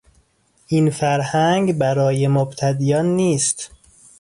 این فرهنگ برای مبتدیان نیست.